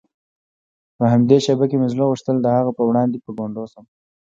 په همدې شېبه کې مې زړه غوښتل د هغه په وړاندې په ګونډو شم.